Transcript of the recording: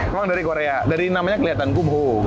memang dari korea dari namanya kelihatan kumho